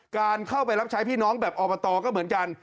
การเข้าไปรับใช้พี่น้องแบบอบตก็เหมือนกัน